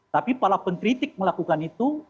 tapi walaupun kritik melakukan itu